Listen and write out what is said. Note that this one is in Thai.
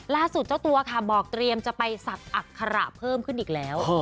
เจ้าตัวค่ะบอกเตรียมจะไปศักดิ์อัคระเพิ่มขึ้นอีกแล้ว